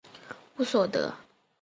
乌索德。